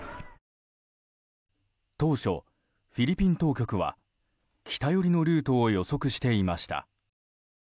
当初フィリピン当局は北寄りのルートを予測していました。